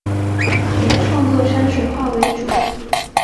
以创作山水画为主。